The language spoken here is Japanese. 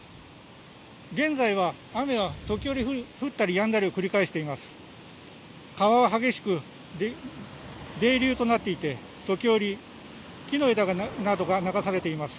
現在は雨は時折降ったりやんだりを繰り返しています。